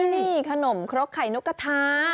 นี่ขนมครกไข่นกกระทะ